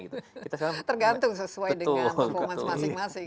tergantung sesuai dengan performance masing masing